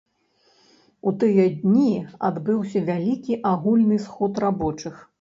У тыя дні адбыўся вялікі агульны сход рабочых.